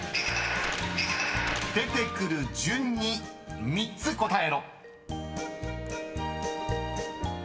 ［出てくる順に３つ答えろ］